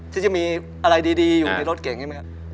ที่จะมีอะไรดีอยู่ในรถเก่งอย่างนี้แหละ